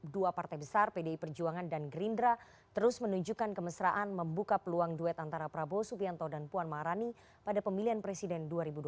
dua partai besar pdi perjuangan dan gerindra terus menunjukkan kemesraan membuka peluang duet antara prabowo subianto dan puan maharani pada pemilihan presiden dua ribu dua puluh